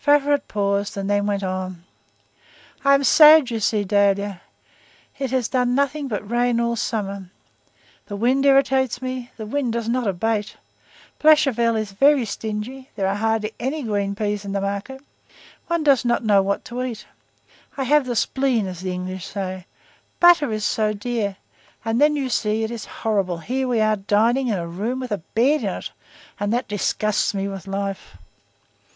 Favourite paused, and then went on:— "I am sad, you see, Dahlia. It has done nothing but rain all summer; the wind irritates me; the wind does not abate. Blachevelle is very stingy; there are hardly any green peas in the market; one does not know what to eat. I have the spleen, as the English say, butter is so dear! and then you see it is horrible, here we are dining in a room with a bed in it, and that disgusts me with life."